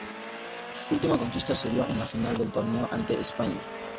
Su última conquista se dio en la final del torneo ante España.